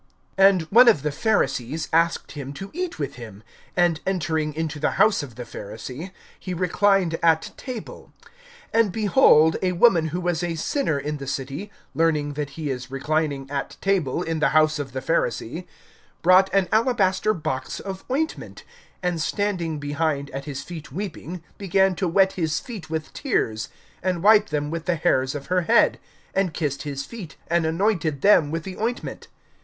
(36)And one of the Pharisees asked him to eat with him. And entering into the house of the Pharisee, he reclined at table. (37)And, behold, a woman who was a sinner in the city, learning that he is reclining at table in the house of the Pharisee, brought an alabaster box of ointment; (38)and standing behind at his feet weeping, began to wet his feet with tears, and wipe them with the hairs of her head, and kissed his feet, and anointed them with the ointment.